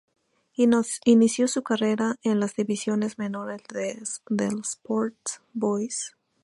Inició su carrera en las divisiones menores del Sport Boys.